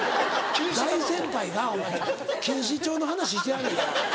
大先輩がお前錦糸町の話してはんねんから。